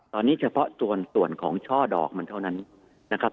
ตอนนี้เฉพาะส่วนของช่อดอกมันเท่านั้นนะครับ